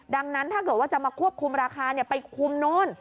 ดังนั้นถ้าเกิดว่าจะมาควบคุมราคาไปคุมนู้น